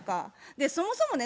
そもそもね